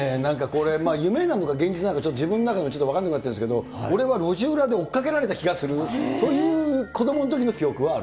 夢なのか、現実なのか、ちょっと自分の中でちょっと分かんなくなってるんですけど、俺は路地裏で追っかけられた気がするという、ええっ。